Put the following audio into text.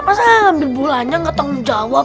masa gak ngambil bulannya gak tanggung jawab